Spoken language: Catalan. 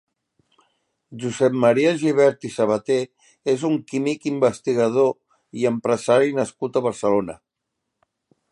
Josep Maria Gibert i Sabaté és un químic, investigador i empresari nascut a Barcelona.